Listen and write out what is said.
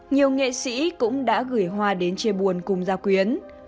nhiều nghệ sĩ cũng đã gửi hoa đến chia buồn cùng gia quyến